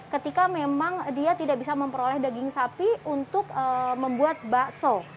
ketika memang dia tidak bisa memperoleh daging sapi untuk membuat bakso